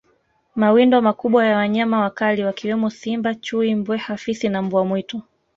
Mawindo makubwa ya wanyama wakali wakiwemo Simba Chui Mbweha Fisi na Mbwa mwitu